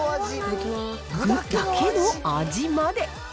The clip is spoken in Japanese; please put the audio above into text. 具だけの味まで。